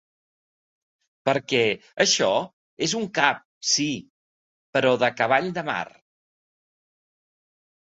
Perquè això és un cap, sí, però de cavall de mar.